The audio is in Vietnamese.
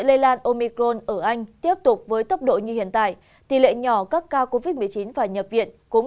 lây lan omicron ở anh tiếp tục với tốc độ như hiện tại tỷ lệ nhỏ các ca covid một mươi chín và nhập viện cũng